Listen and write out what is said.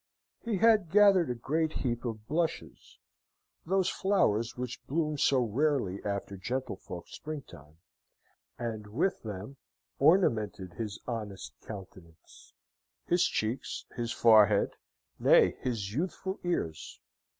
He had gathered a great heap of blushes (those flowers which bloom so rarely after gentlefolks' springtime), and with them ornamented his honest countenance, his cheeks, his forehead, nay, his youthful ears.